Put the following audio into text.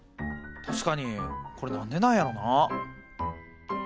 確かにこれ何でなんやろな？